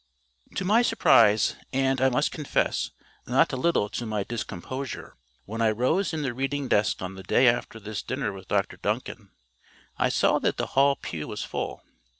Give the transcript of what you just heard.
To my surprise, and, I must confess, not a little to my discomposure, when I rose in the reading desk on the day after this dinner with Dr Duncan, I saw that the Hall pew was full.